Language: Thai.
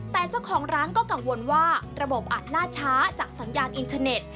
แต่เจ้าของร้านก็กังวลว่าระบบอาจล่าช้าจากสัญญาณอินเทอร์เน็ต